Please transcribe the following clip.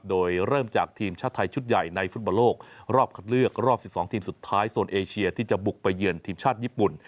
โดยเริ่มจากทีมชาติไทยชุดใหญ่ในฟุตบอลโลกรอบคัดเลือกรอบ๑๒ทีมสุดท้ายโซนเอเชียที่จะบุกไปเยือนทีมชาติญี่ปุ่น